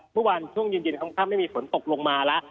วันวานช่วงเย็นค่อนข้างไม่มีฝนตกลงมาแล้ว